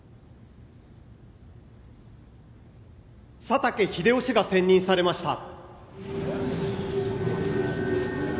佐竹英夫氏が選任されました。